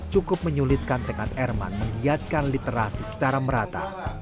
cukup menyulitkan tekad erman menggiatkan literasi secara merata